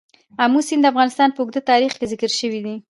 آمو سیند د افغانستان په اوږده تاریخ کې ذکر شوی دی.